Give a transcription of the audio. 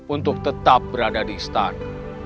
untuk tetap berada di istana